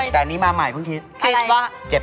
ตอนนี้คุณเป็นคนคิดเองเหรอ